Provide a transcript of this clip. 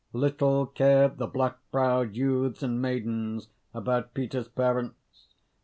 Little cared the black browed youths and maidens about Peter's parents.